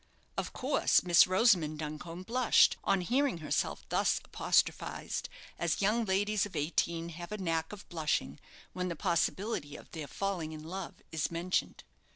Of course Miss Rosamond Duncombe blushed on hearing herself thus apostrophized, as young ladies of eighteen have a knack of blushing when the possibility of their falling in love is mentioned.